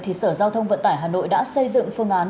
thì sở giao thông vận tải hà nội đã xây dựng phương án